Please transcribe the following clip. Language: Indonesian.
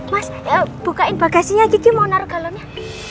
mas bukain bagasinya geki mau naro kalonnya